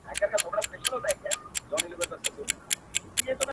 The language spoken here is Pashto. ښایسته د پاچا لور وم پر طالب مینه سومه!.